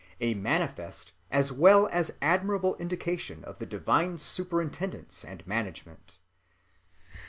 A manifest as well as admirable Indication of the divine Superintendence and Management."